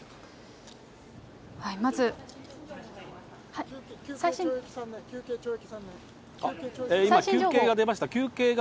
まず、今、求刑が出ました。